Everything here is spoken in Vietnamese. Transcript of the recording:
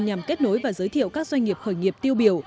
nhằm kết nối và giới thiệu các doanh nghiệp khởi nghiệp tiêu biểu